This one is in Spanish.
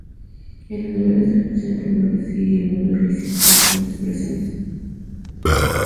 En la novela, se representa a la burguesía y el mundo eclesiástico como despreciables.